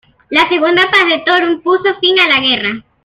La Segunda Paz de Toruń puso fin a la guerra.